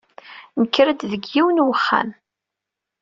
Nekker-d deg yiwen uxxam